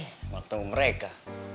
nggak ketemu mereka